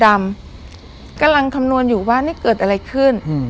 กำลังคำนวณอยู่ว่านี่เกิดอะไรขึ้นอืม